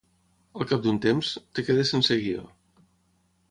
Al cap d'un temps, et quedes sense guió.